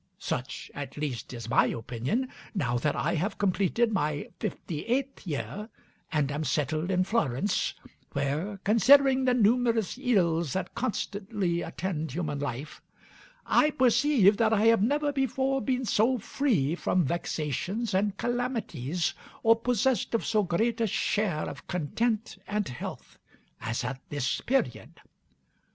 Such at least is my opinion now that I have completed my fifty eighth year, and am settled in Florence, where, considering the numerous ills that constantly attend human life, I perceive that I have never before been so free from vexations and calamities, or possessed of so great a share of content and health as at this period.